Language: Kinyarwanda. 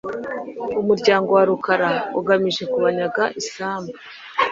umuryango wa Rukara, agamije kubanyaga isambu